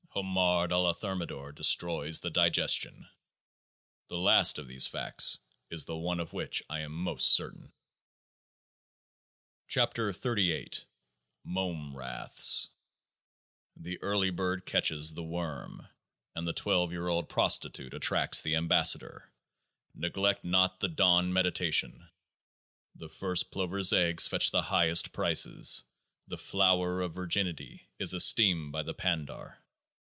Homard a la Thermidor destroys the digestion. The last of these facts is the one of which I am most certain. 61 KEOAAH MH MOME RATHS22 The early bird catches the worm and the twelve year old prostitute attracts the am bassador. Neglect not the dawn meditation ! The first plovers' eggs fetch the highest prices ; the flower of virginity is esteemed by the pandar.